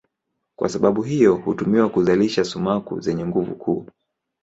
Kwa sababu hiyo hutumiwa kuzalisha sumaku zenye nguvu kuu.